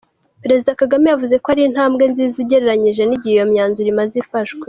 Perezida Kagame yavuze ko ari intambwe nziza ugereranije n’igihe iyo myanzuro imaze ifashwe.